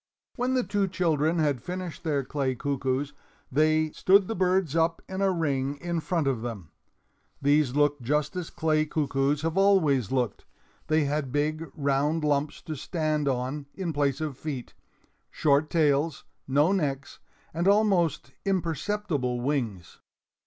When the two children had finished their clay cuckoos, they stood the birds up in a ring in front of them. These looked just as clay cuckoos have always looked. They had big, round lumps to stand on in place of feet, short tails, no necks, and almost imperceptible wings.